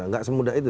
nggak semudah itu